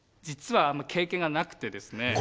実は経験がなくてですね